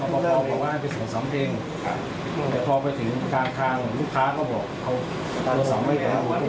พอไปถึงกลางข้างลูกค้าก็บอกเขาโทรส่งไว้ทำผู้